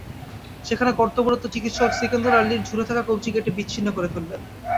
সেখানে কর্তব্যরত চিকিৎসক সেকেন্দর আলীর ঝুলে থাকা কব্জি কেটে বিচ্ছিন্ন করে ফেলেন।